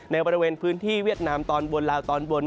บริเวณพื้นที่เวียดนามตอนบนลาวตอนบน